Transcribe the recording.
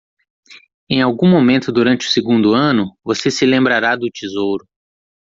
Em algum momento durante o segundo ano?, você se lembrará do tesouro.